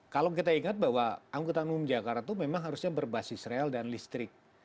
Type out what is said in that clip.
kalau kita ingat bahwa angkutan umum jakarta itu memang harusnya berbasis rel dan listrik